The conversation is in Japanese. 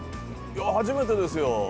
いや、初めてですよ。